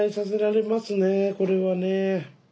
これはね。